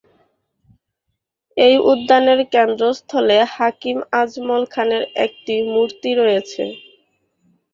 এই উদ্যানের কেন্দ্রস্থলে হাকিম আজমল খানের একটি মূর্তি রয়েছে।